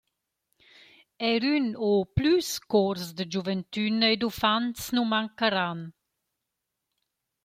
Eir ün o plüs cors da giuventüna e d’uffants nu mancaran.